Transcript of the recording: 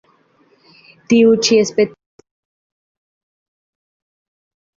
Tiu ĉi specio loĝas en montarbaroj.